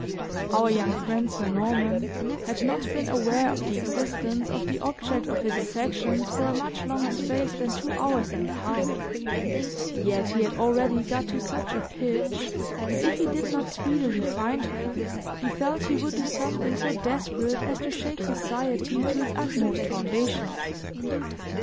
Our young friend, Sir Norman, had not been aware of the existence of the object of his affections for a much longer space than two hours and a half, yet he had already got to such a pitch, that if he did not speedily find her, he felt he would do something so desperate as to shake society to its utmost foundations.